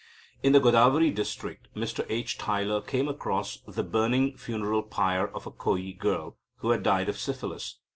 In the Godavari district, Mr H. Tyler came across the burning funeral pyre of a Koyi girl, who had died of syphilis.